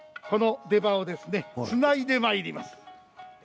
この出刃をつないでまいります。